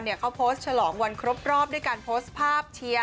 เขาโพสต์ฉลองวันครบรอบด้วยการโพสต์ภาพเชียร์